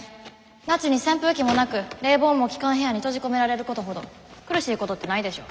夏に扇風機もなく冷房も効かん部屋に閉じ込められることほど苦しいことってないでしょ。